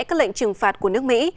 các lệnh trừng phạt của nước mỹ